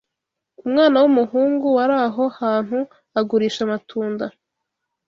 Umwana w’umuhungu wari aho hantu agurisha amatunda